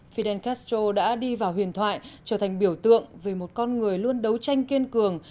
fidel castro đã đi vào huyền thoại trở thành biểu tượng về một con người luôn đấu tranh kiên cường